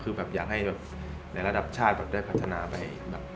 คืออยากให้ระดับชาติได้พัฒนาไป